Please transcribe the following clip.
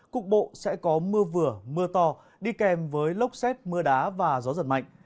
cục bộ sẽ có mưa vừa mưa to đi kèm với lốc xét mưa đá và gió giật mạnh